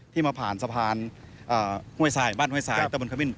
ที่มาผ่านสะพานอ่าห้วยทรายบ้านห้วยทรายตะบุญความิ่น